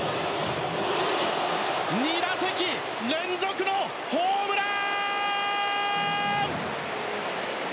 ２打席連続のホームラン！